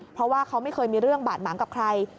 เพราะว่าเขาไม่เคยมีเรื่องบาดหมางกับใคร